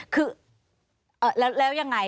คือแล้วยังไง